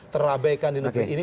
terabaikan di negeri ini